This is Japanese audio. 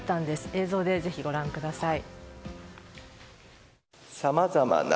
映像でぜひご覧ください。